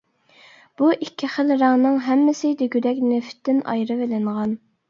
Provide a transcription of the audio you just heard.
بۇ ئىككى خىل رەڭنىڭ ھەممىسى دېگۈدەك نېفىتتىن ئايرىۋېلىنغان.